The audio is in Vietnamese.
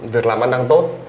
việc làm ăn đang tốt